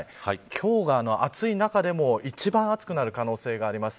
今日が暑い中でも一番暑くなる可能性があります。